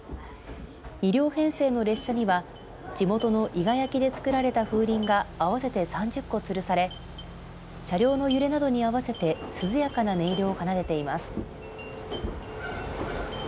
２両編成の列車には地元の伊賀焼で作られた風鈴が合わせて３０個つるされ車両の揺れなどに合わせて涼やかな音色を奏でています。